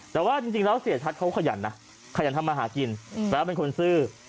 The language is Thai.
แต่ว่าจริงแล้วเสียชัดเขาขยันนะขยันทำมาหากินแล้วเป็นคนซื่อ